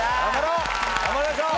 頑張りましょう！